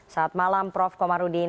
saat malam prof komarudin